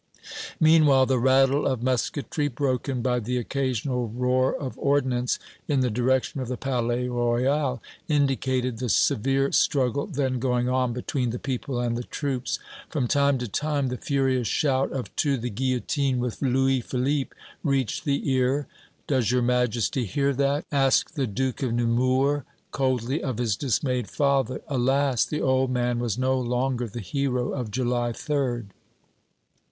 Meanwhile, the rattle of musketry, broken by the occasional roar of ordnance, in the direction of the Palais Royal, indicated the severe struggle then going on between the people and the troops; from time to time, the furious shout of "To the guillotine with Louis Philippe!" reached the ear. "Does your Majesty hear that?" asked the Duke of Nemours coldly of his dismayed father. Alas! the old man was no longer the hero of July 3d!